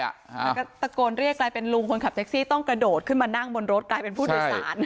แล้วก็ตะโกนเรียกกลายเป็นลุงคนขับแท็กซี่ต้องกระโดดขึ้นมานั่งบนรถกลายเป็นผู้โดยสาร